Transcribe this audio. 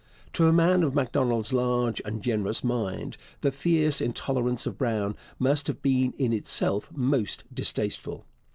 To a man of Macdonald's large and generous mind the fierce intolerance of Brown must have been in itself most distasteful.